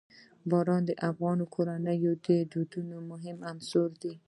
باران د افغان کورنیو د دودونو مهم عنصر دی.